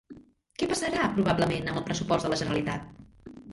Què passarà probablement amb el pressupost de la Generalitat?